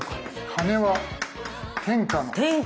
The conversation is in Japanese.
金は天下の。